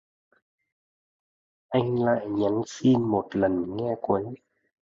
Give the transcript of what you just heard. Anh lại nhắn xin một lần nghe cuối